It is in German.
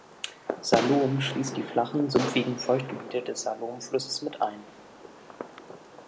Saloum schließt die flachen, sumpfigen Feuchtgebiete des Saloum-Flusses mit ein.